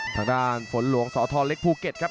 ทางด้านฝนหลวงสทเล็กภูเก็ตครับ